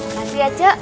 makasih ya cek